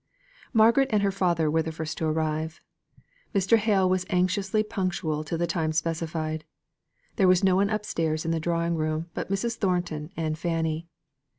Margaret and her father were the first to arrive. Mr. Hale was anxiously punctual to the time specified. There was no one upstairs in the drawing room but Mrs. Thornton and Fanny.